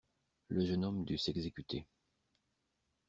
Le jeune homme dut s'exécuter.